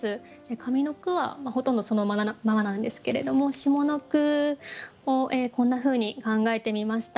上の句はほとんどそのままなんですけれども下の句をこんなふうに考えてみました。